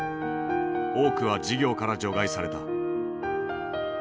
多くは事業から除外された。